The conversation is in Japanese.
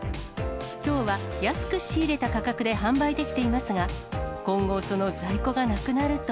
きょうは安く仕入れた価格で販売できていますが、今後、その在庫がなくなると。